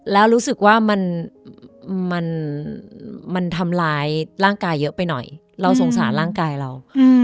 แล้วรู้สึกว่ามันทำร้ายร่างกายเยอะไปหน่อยเราสงสารร่างกายเรา